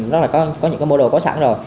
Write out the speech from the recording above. rất là có những cái mô đồ có sẵn rồi